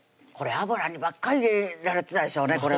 これ油にばっかり入れられてたでしょうね